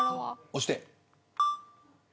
押して。